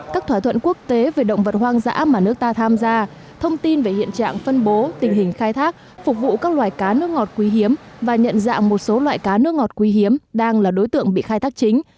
các thỏa thuận quốc tế về động vật hoang dã mà nước ta tham gia thông tin về hiện trạng phân bố tình hình khai thác phục vụ các loài cá nước ngọt quý hiếm và nhận dạng một số loại cá nước ngọt quý hiếm đang là đối tượng bị khai thác chính